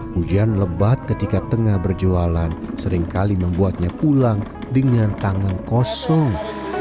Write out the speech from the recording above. hujan lebat ketika tengah berjualan seringkali membuatnya pulang dengan tangan kosong